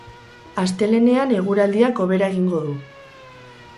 Astelehenean eguraldiak hobera egingo du.